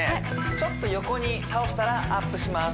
ちょっと横に倒したらアップします